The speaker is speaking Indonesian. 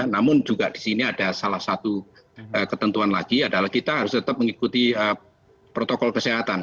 namun juga di sini ada salah satu ketentuan lagi adalah kita harus tetap mengikuti protokol kesehatan